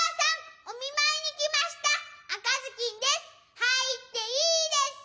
はいっていいですか？